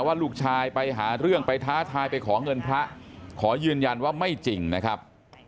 ว่าลูกชายไปหาเรื่องไปท้าทายไปขอเงินพระขอยืนยันว่าไม่จริงนะครับ